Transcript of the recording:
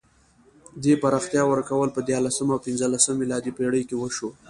دې پراختیا ورکول په دیارلسمه او پنځلسمه میلادي پېړۍ کې وشوه.